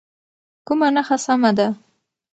کومه نښه سمه ده؟